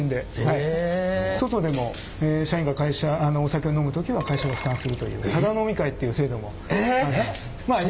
外でも社員がお酒を飲む時は会社が負担するというタダ飲み会っていう制度もあります。